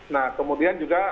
nah kemudian juga